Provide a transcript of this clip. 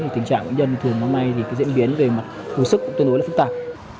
tình trạng bệnh nhân thường mấy ngày thì diễn biến về mặt hối sức cũng tương đối là phức tạp